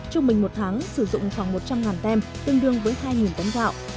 trong mình một tháng sử dụng khoảng một trăm linh tem tương đương với hai tấn gạo